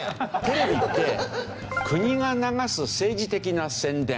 テレビって国が流す政治的な宣伝